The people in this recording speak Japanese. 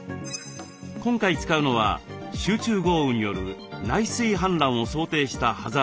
今回使うのは集中豪雨による内水氾濫を想定したハザードマップです。